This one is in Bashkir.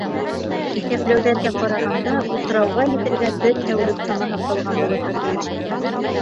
Иҫәпләүҙәргә ҡарағанда, утрауға етергә бер тәүлек самаһы ҡалған булырға тейеш ине.